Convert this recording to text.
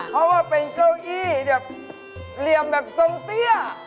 เพราะว่าเป็นเก้าอี้แบบเหลี่ยมแบบทรงเตี้ย